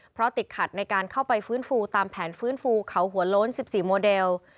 เพราะติดขัดในการเข้าไปฟื้นฟูตามแผนฟื้นฟูเขาหัวโล้น๑๔โมเดล